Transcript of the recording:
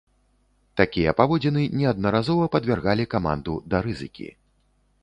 Такія паводзіны неаднаразова падвяргалі каманду да рызыкі.